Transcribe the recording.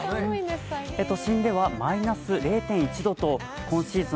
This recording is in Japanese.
都心ではマイナス０．１度と今シーズン